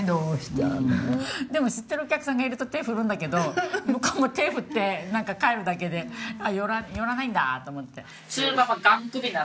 でも知ってるお客さんがいると手を振るんだけど向こうも手を振って帰るだけで寄らないんだと思って。